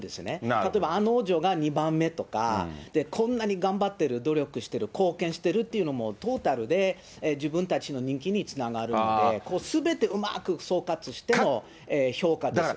例えばアン王女が２番目とか、こんなに頑張ってる、努力してる、貢献してるっていうのも、トータルで自分たちの人気につながるんで、すべてうまく総括しての評価ですよ。